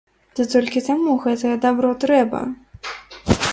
Ды толькі каму гэтае дабро трэба?